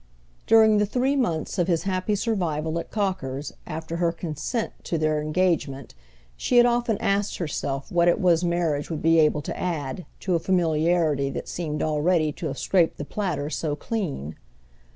During the three months of his happy survival at Cocker's after her consent to their engagement she had often asked herself what it was marriage would be able to add to a familiarity that seemed already to have scraped the platter so clean.